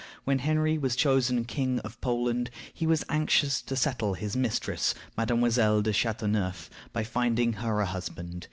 When Henry was chosen King of Poland, he was anxious to settle his mistress, Mdlle. de Chateauneuf, by finding her a husband.